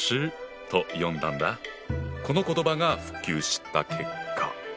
この言葉が普及した結果。